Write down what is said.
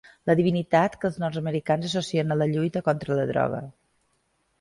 La divinitat que els nord-americans associen a la lluita contra la droga.